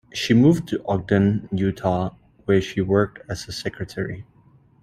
She moved to Ogden, Utah where she worked as a secretary.